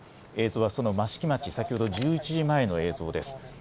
映像はその益城町、先ほど１１時前の映像です。